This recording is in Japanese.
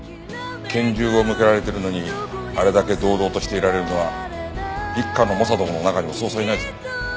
拳銃を向けられてるのにあれだけ堂々としていられるのは一課の猛者どもの中にもそうそういないぞ。